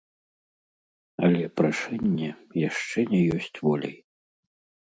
Але прашэнне яшчэ не ёсць воляй.